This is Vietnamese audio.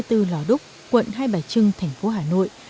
từ lò đúc quận hai bài trưng thành phố hà nội